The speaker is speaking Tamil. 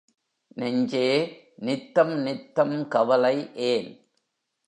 நெஞ்சே நித்தம் நித்தம் கவலை ஏன்?